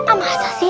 apa masa sih